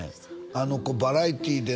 「あの子バラエティーでな」